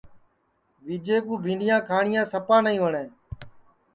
وجئے کُو بھینٚڈؔیاں کھاٹؔیاں سپا نائی وٹؔتیاں ہے